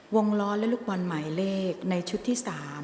ล้อและลูกบอลหมายเลขในชุดที่๓